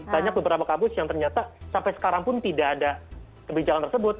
banyak beberapa kampus yang ternyata sampai sekarang pun tidak ada kebijakan tersebut